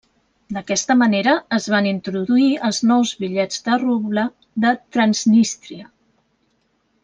D'aquesta manera es van introduir els nous bitllets de ruble de Transnístria.